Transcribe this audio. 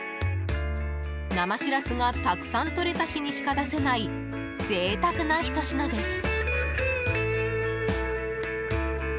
生しらすがたくさんとれた日にしか出せない贅沢なひと品です。